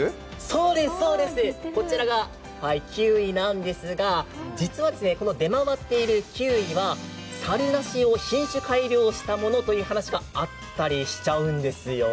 そうです、こちらがキウイなんですが、実は出回っているキウイはさるなしを品種改良したものだという話もあったりしちゃうんですよ。